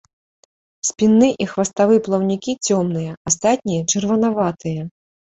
Спінны і хваставы плаўнікі цёмныя, астатнія чырванаватыя.